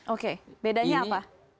oke bedanya apa